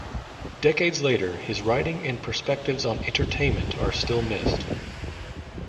Decades later, his writing and perspectives on entertainment are still missed.